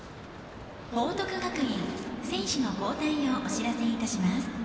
報徳学園選手の交代をお伝えいたします。